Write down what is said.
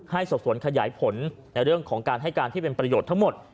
สอบสวนขยายผลในเรื่องของการให้การที่เป็นประโยชน์ทั้งหมด